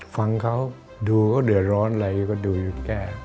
ฟังเขาดูก็เดี๋ยวร้อนไหลก็ดูหยุดแก้